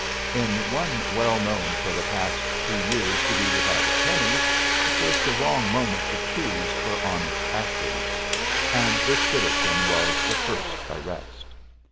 In one well known for the past two years to be without a penny it was the wrong moment to choose for honest affluence, and this citizen was the first arrest.